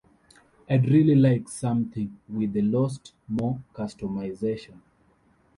I’d really like something with a lot more customization.